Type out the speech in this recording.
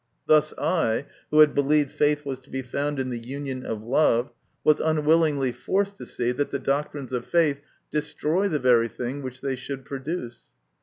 Thus I, who had believed faith was to be found in the union of love, was unwillingly forced to see that the doctrines of faith destroy the very thing which they should produce.